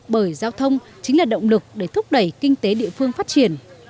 bởi giao thông chính là động lực để thúc đẩy kinh tế địa phương phát triển